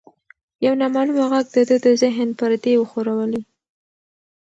یو نامعلومه غږ د ده د ذهن پردې وښورولې.